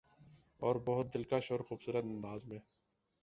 اور بہت دلکش اورخوبصورت انداز میں